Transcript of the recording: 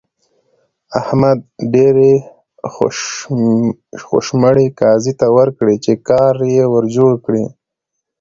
احمد ډېرې خوشمړې قاضي ته ورکړې چې کار يې ور جوړ کړي.